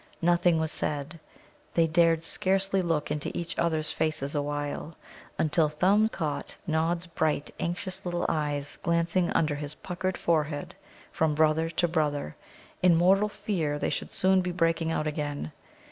Nothing was said. They dared scarcely look into each other's faces awhile, until Thumb caught Nod's bright, anxious little eyes glancing under his puckered forehead from brother to brother, in mortal fear they would soon be breaking out again.